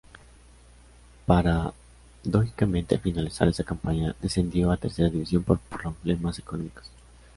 Paradójicamente, al finalizar esa campaña descendió a Tercera división por problemas económicos.